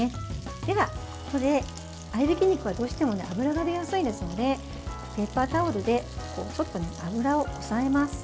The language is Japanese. ではここで、合いびき肉はどうしても脂が出やすいですのでペーパータオルで脂を抑えます。